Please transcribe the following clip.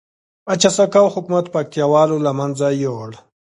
بچه سقاو حکومت پکتيا والو لمنځه یوړ